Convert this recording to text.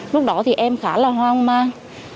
lúc đó thì em khá là hoang mang